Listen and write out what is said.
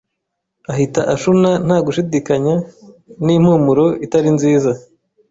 ahita ashuna nta gushidikanya n'impumuro itari nziza